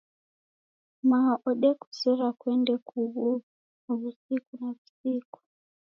Mao odekuzera kwende kughuo wusiku na wusiku